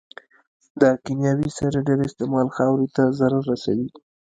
د کيمياوي سرې ډېر استعمال خاورې ته ضرر رسوي.